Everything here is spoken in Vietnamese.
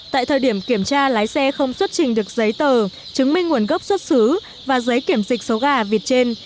tại thời điểm kiểm tra lái xe không xuất trình được giấy tờ chứng minh nguồn gốc xuất xứ và giấy kiểm dịch số gà vịt trên